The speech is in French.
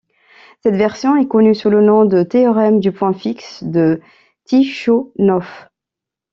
Cette version est connue sous le nom de théorème du point fixe de Tychonoff.